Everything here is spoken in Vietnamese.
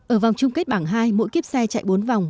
ở vòng chung kết bảng hai mỗi kiếp xe chạy bốn vòng